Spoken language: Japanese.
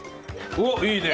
お、いいね！